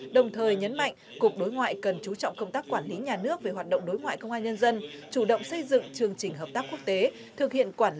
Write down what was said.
đồng thời nhấn mạnh cục đối ngoại cần chú trọng công tác quản lý nhà nước về hoạt động đối ngoại công an nhân dân